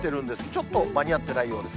ちょっと間に合ってないようです。